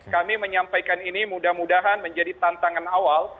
kami menyampaikan ini mudah mudahan menjadi tantangan awal